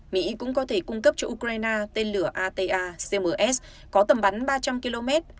mỹ cũng có thể cung cấp cho ukraine tên lửa ata cms có tầm bắn ba trăm linh km